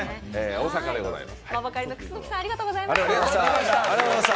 大阪でございます。